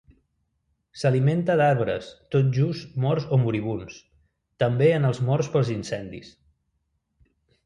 S'alimenta d'arbres tot just morts o moribunds, també en els morts pels incendis.